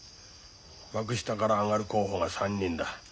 幕下から上がる候補が３人だ。